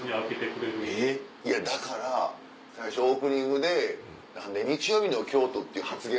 いやだから最初オープニングで「何で日曜日の京都？」っていう発言